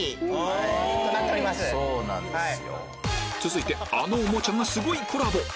続いてあのおもちゃがすごいコラボ！